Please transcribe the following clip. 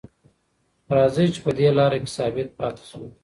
راځئ چې په دې لاره کې ثابت پاتې شو.